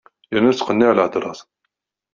Yerna tettqenniɛ lhedra-s.